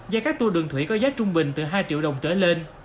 và các tour đường thủy có giá trung bình từ hai triệu đồng trở lên